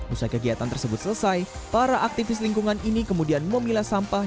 usai kegiatan tersebut selesai para aktivis lingkungan ini kemudian memilah sampah